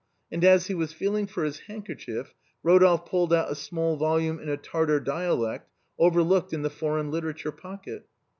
And as he was feeling for his handkerchief, Eodolphe pulled out a small volume in a Tartar dialect, overlooked in the foreign literature pocket.